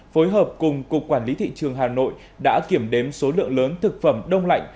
phối hợp cùng cục quản lý thị trường hà nội đã kiểm đếm số lượng lớn thực phẩm đông lạnh